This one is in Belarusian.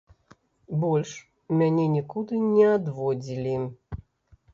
Больш мяне нікуды не адводзілі.